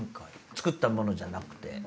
作ったものじゃなくて。